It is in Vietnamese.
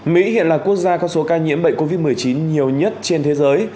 mỹ hiện là quốc gia có số ca nhiễm bệnh covid một mươi chín nhiều nhất trên thế giới